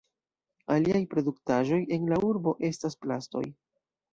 Aliaj produktaĵoj en la urbo estas plastoj.